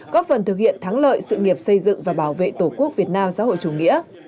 góp phần thực hiện thắng lợi sự nghiệp xây dựng và bảo vệ tổ quốc việt nam xã hội chủ nghĩa